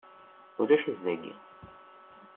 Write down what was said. Ulac-it dagi;